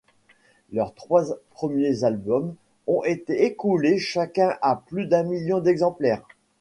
Leurs trois premiers albums ont été écoulés chacun à plus d’un million d’exemplaires.